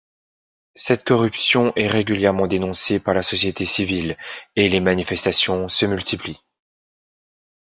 Cette corruption est régulièrement dénoncée par la société civile et les manifestations se multiplient.